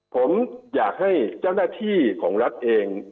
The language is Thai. ผมอยากให้เจ้าหน้าที่ของรัฐเอง